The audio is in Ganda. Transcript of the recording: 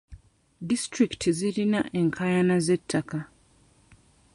Disitulikiti zirina enkaayana z'ettaka.